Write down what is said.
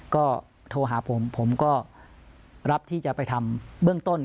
ก็โทรหาผมผมก็รับที่จะไปทำเบื้องต้น